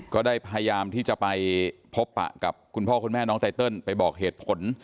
ก็ได้พยายามที่จะไปพบปะกับคุณพ่อคุณแม่น้องไตเติลไปบอกเหตุผล